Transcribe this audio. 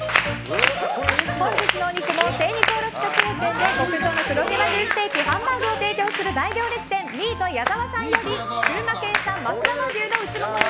本日のお肉も精肉卸直営店で極上の黒毛和牛ステーキハンバーグを提供する大行列店ミート矢澤さんより群馬県産の増田和牛内モモ肉